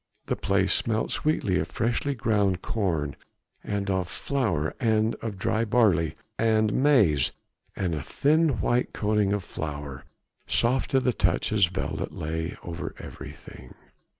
The place smelt sweetly of freshly ground corn, of flour and of dry barley and maize, and a thin white coating of flour soft to the touch as velvet lay over everything.